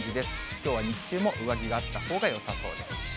きょうは日中も上着があったほうがよさそうです。